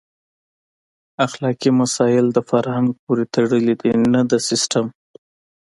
اخلاقي مسایل د فرهنګ پورې تړلي دي نه د سیسټم.